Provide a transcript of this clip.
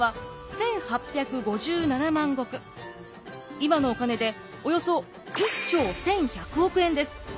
今のお金でおよそ１兆１，１００億円です。